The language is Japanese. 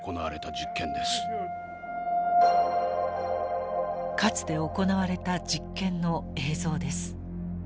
かつて行われた実験の映像です。